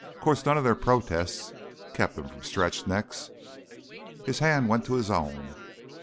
'Course none of their protestin' kept 'em from stretched necks." His hand went to his own.